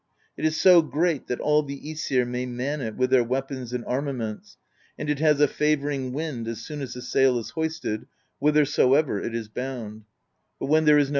It is so great that all the iEsir may man it, with their weapons and ar maments, and it has a favoring wind as soon as the sail is hoisted, whithersoever it is bound; but ^yhen there J3 n^^ .